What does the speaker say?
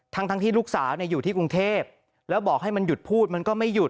ทั้งที่ลูกสาวอยู่ที่กรุงเทพแล้วบอกให้มันหยุดพูดมันก็ไม่หยุด